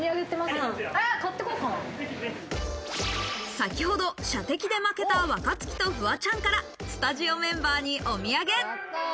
先ほど、射的で負けた若槻とフワちゃんからスタジオメンバーにお土産。